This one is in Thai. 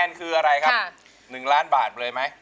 คุณแนนคืออะไรฮะ๑ล้านบาทเลยมั้ย